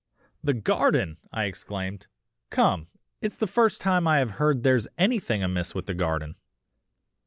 "'The garden!' I exclaimed, 'Come, it's the first time I have heard there's anything amiss with the garden.